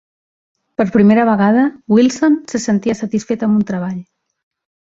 Per primera vegada, Wilson se sentia satisfet amb un treball.